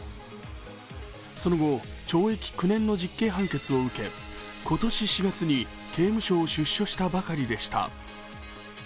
その後、懲役９年の実刑判決を受け、今年４月に刑務所を出所したばかりでした。